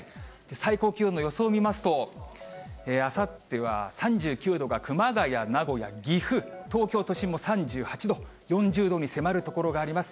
最高気温の予想を見ますと、あさっては３９度が熊谷、名古屋、岐阜、東京都心も３８度、４０度に迫る所があります。